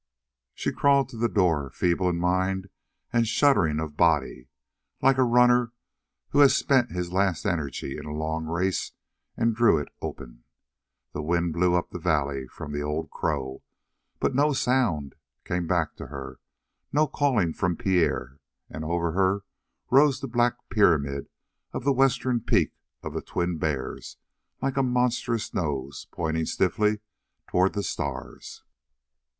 She crawled to the door, feeble in mind and shuddering of body like a runner who has spent his last energy in a long race, and drew it open. The wind blew up the valley from the Old Crow, but no sound came back to her, no calling from Pierre; and over her rose the black pyramid of the western peak of the Twin Bears like a monstrous nose pointing stiffly toward the stars.